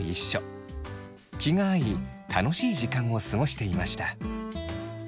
気が合い楽しい時間を過ごしていました。